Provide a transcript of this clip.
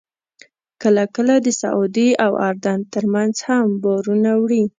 کله کله د سعودي او اردن ترمنځ هم بارونه وړي.